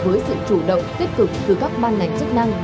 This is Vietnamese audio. với sự chủ động tích cực từ các ban ngành chức năng